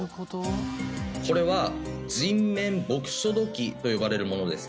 これは人面墨書土器と呼ばれるものです。